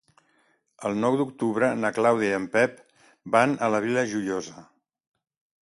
El nou d'octubre na Clàudia i en Pep van a la Vila Joiosa.